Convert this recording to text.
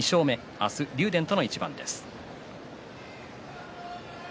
明日は竜電との対戦です。